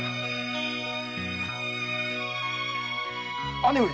姉上。